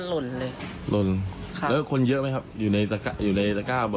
หล่นเลยหล่นค่ะแล้วคนเยอะไหมครับอยู่ในอยู่ในตะก้าบ่อ